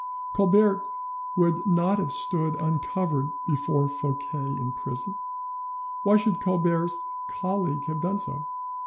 Colbert would not have stood uncovered before Fouquet in prison. Why should Colbert's colleague have done so?